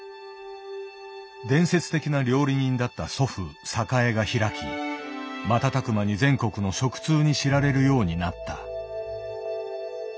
伝説的な料理人だった祖父栄が開き瞬く間に全国の食通に知られるようになった。